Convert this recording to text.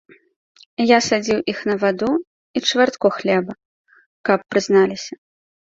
Я садзіў іх на ваду і чвэртку хлеба, каб прызнаваліся.